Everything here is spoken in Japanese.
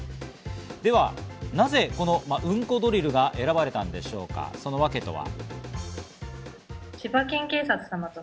ではなぜ『うんこドリル』が選ばれたのでしょうか、そのわけとは。